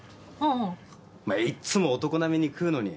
お前いっつも男並みに食うのに。